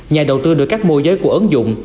nhà đầu tư được các mô giới của ứng dụng